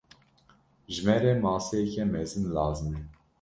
Ji me re maseyeke mezin lazim e.